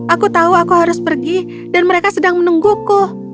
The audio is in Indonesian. aku tahu aku harus pergi dan mereka sedang menungguku